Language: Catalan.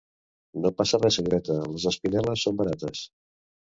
No passa res senyoreta, les espinel·les són barates.